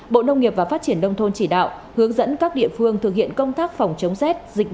bộ nông nghiệp và phát triển đông thôn chỉ đạo hướng dẫn các địa phương thực hiện công tác phòng chống xét